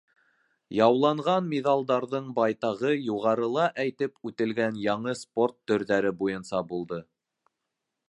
Яуланған миҙалдарҙың байтағы юғарыла әйтеп үтелгән яңы спорт төрҙәре буйынса булды.